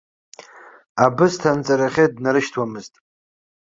Абысҭа анҵарахьы днарышьҭуамызт.